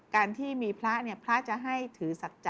การที่มีพระเนี่ยพระจะให้ถือสัจจะ